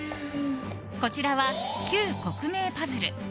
こちらは旧国名パズル。